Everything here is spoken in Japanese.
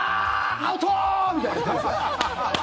アウトー！みたいな感じですよ。